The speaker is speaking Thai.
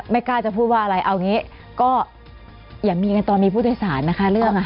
กล้าจะพูดว่าอะไรเอาอย่างนี้ก็อย่ามีกันตอนมีผู้โดยสารนะคะเรื่อง